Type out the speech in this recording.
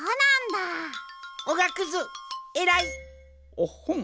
おっほん。